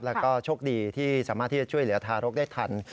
แล้วก็โชคดีที่สามารถที่จะช่วยเหลือทารกได้ทัน